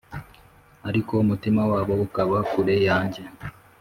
ariko umutima wabo ukaba kure yanjye.